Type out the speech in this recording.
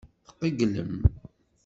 Tqeyylem.